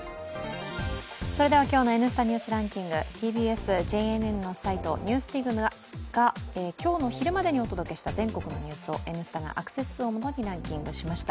それでは今日の「Ｎスタ・ニュースランキング」ＴＢＳ・ＪＮＮのサイト「ＮＥＷＳＤＩＧ」が今日の昼までにお届けした全国のニュースを「Ｎスタ」がアクセス数をもとにランキングしました。